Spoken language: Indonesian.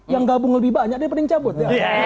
yang gabung lebih banyak dia pening cabut